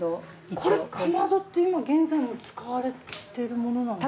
これかまどって今現在も使われているものなんですか？